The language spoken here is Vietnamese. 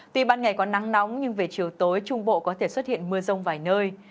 tuy ban ngày có nắng nóng nhưng về chiều tối trung bộ có thể xuất hiện mưa rông vài nơi